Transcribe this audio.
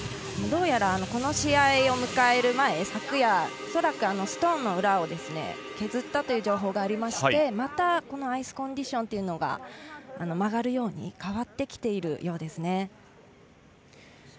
どうやら、この試合を迎える前昨夜、恐らくストーンの裏を削ったという情報がありましてまた、アイスコンディションが曲がるように変わってきているようです。